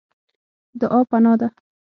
دعا پناه ده.